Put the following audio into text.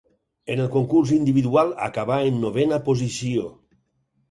En el concurs individual acabà en novena posició.